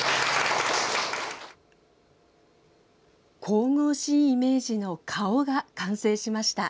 神々しいイメージの顔が完成しました。